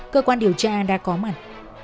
cơ quan điều tra đã có mặt